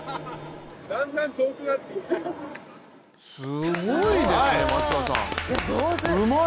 すごいですね、松田さん、うまい！